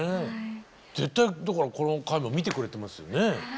絶対だからこの回も見てくれてますよね。